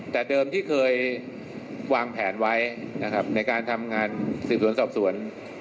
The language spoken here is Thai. แต่เดิมที่เคยวางแผนไว้ในการทำงานศึกษวนสอบศวน